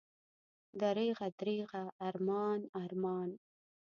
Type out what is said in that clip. دریغه، دریغه، ارمان، ارمان!